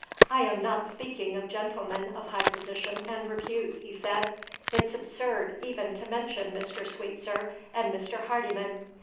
"I am not speaking of gentlemen of high position and repute," he said. "It's absurd even to mention Mr. Sweetsir and Mr. Hardyman.